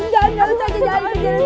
jangan jangan jangan